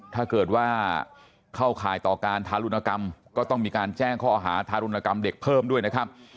ถ้าเกิดว่าเข้าข่ายต่อการทารุณกรรมก็ต้องมีการแจ้งข้อหาทารุณกรรมเด็กเพิ่มด้วยนะครับ